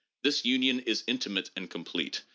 This union is intimate and complete.